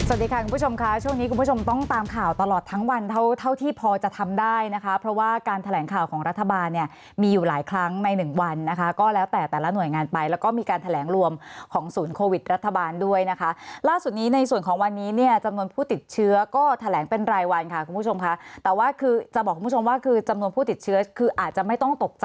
สวัสดีค่ะคุณผู้ชมค่ะช่วงนี้คุณผู้ชมต้องตามข่าวตลอดทั้งวันเท่าที่พอจะทำได้นะคะเพราะว่าการแถลงข่าวของรัฐบาลเนี่ยมีอยู่หลายครั้งใน๑วันนะคะก็แล้วแต่แต่ละหน่วยงานไปแล้วก็มีการแถลงรวมของศูนย์โควิดรัฐบาลด้วยนะคะล่าสุดนี้ในส่วนของวันนี้เนี่ยจำนวนผู้ติดเชื้อก็แถลงเป็นรายวันค่ะค